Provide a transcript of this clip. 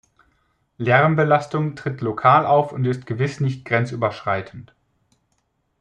Lärmbelastung tritt lokal auf und ist gewiss nicht grenzüberschreitend.